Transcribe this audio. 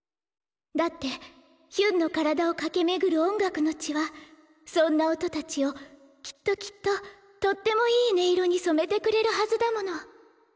だってヒュンの体を駆け巡る音楽の血はそんな音たちをきっときっととってもいい音色に染めてくれるはずだもの。